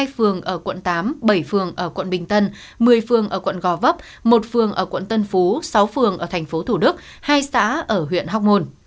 hai phường ở quận tám bảy phường ở quận bình tân một mươi phường ở quận gò vấp một phường ở quận tân phú sáu phường ở thành phố thủ đức hai xã ở huyện hóc môn